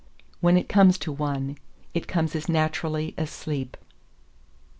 When it comes to one, it comes as naturally as sleep.